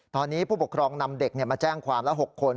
ตอนนี้ผู้ปกครองนำเด็กมาแจ้งความละ๖คน